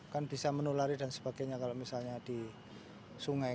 kan bisa menulari dan sebagainya kalau misalnya di sungai